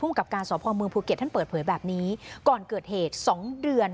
กับการสอบภอมเมืองภูเก็ตท่านเปิดเผยแบบนี้ก่อนเกิดเหตุสองเดือน